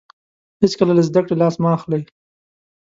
هیڅکله له زده کړې لاس مه اخلئ.